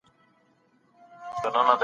انسان په خپل علم سره پر مځکه واکمني کوي.